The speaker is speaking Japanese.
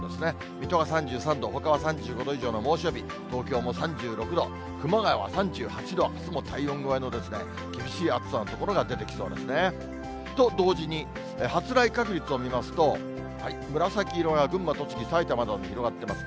水戸が３３度、ほかは３５度以上の猛暑日、東京も３６度、熊谷は３８度、あすも体温超えの厳しい暑さの所が出てきそうですね。と同時に、発雷確率を見ますと、紫色が群馬、栃木、埼玉などに広がってます。